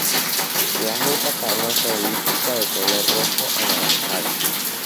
La fruta carnosa elíptica de color rojo anaranjado.